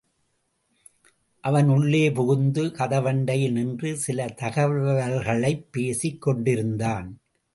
அவன் உள்ளே புகுந்து, கதவண்டையில் நின்று சில தகவல்களைப் பேசிக் கொண்டிருந்தான்.